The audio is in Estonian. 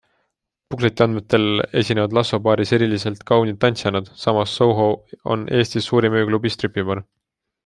Bukleti andmetel esinevad Lasso Baaris eriliselt kaunid tantsijannad, samas Soho on Eestis suurim ööklubi-stripibaar.